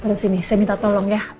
terus ini saya minta tolong ya